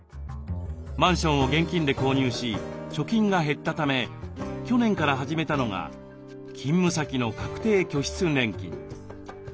マンションを現金で購入し貯金が減ったため去年から始めたのが勤務先の確定拠出年金。